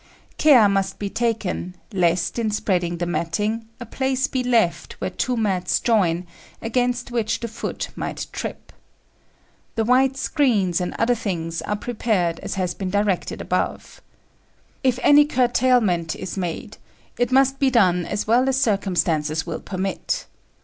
Care must be taken lest, in spreading the matting, a place be left where two mats join, against which the foot might trip. The white screens and other things are prepared as has been directed above. If any curtailment is made, it must be done as well as circumstances will permit.